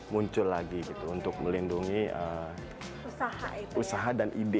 muncul lagi gitu untuk melindungi usaha dan ide